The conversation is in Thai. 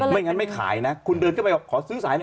ไม่งั้นไม่ขายนะคุณเดินเข้าไปขอซื้อสายหน่อย